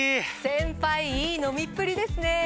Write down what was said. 先輩いい飲みっぷりですね。